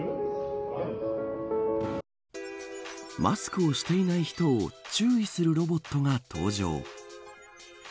マスクをしていない人を注意するロボットが登場。